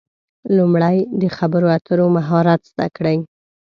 لومړی د خبرو اترو مهارت زده کړئ.